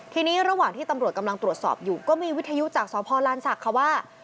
ทีนี้ระหว่างที่ตำรวจกำลังตรวจสอบอยู่ก็มีวิทยุจากสพลานศักดิ์ค่ะว่า